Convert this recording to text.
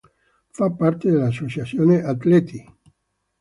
Fa parte dell'associazione Atleti di Cristo.